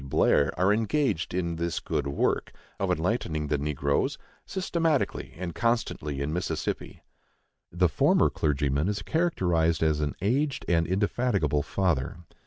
Blair are engaged in this good work (of enlightening the negroes) systematically and constantly in Mississippi." The former clergyman is characterized as an "aged and indefatigable father."